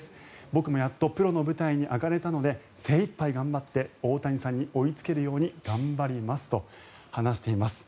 僕もやっとプロの舞台に上がれたので精いっぱい頑張って大谷さんに追いつけるように頑張りますと話しています。